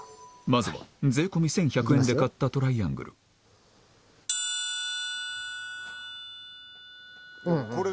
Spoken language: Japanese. まずは税込み１１００円で買ったトライアングルうんうん